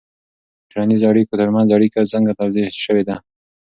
د ټولنیزو اړیکو ترمنځ اړیکه څنګه توضیح سوې ده؟